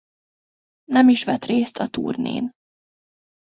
Nem is vett részt a turnén.